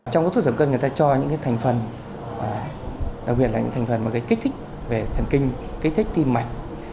trong các thuốc giảm cân người ta cho những thành phần đặc biệt là những thành phần mà kích thích về thần kinh kích thích tim mạch